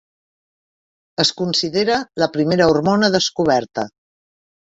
Es considera la primera hormona descoberta.